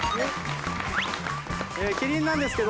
キリンなんですけど。